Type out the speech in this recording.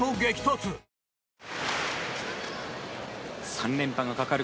３連覇がかかる